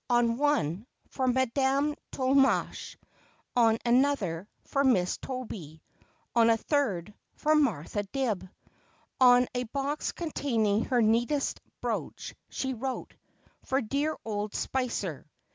On one :' For Madame Tolmache ;' on an other :' For Miss Toby ;' on a third :' For Martha Dibb.' On a box containing her neatest brooch she wrote :' For dear old Spicer.'